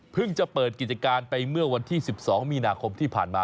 จะเปิดกิจการไปเมื่อวันที่๑๒มีนาคมที่ผ่านมา